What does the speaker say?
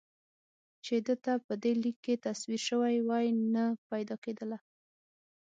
چې ده ته په دې لیک کې تصویر شوې وای نه پیدا کېدله.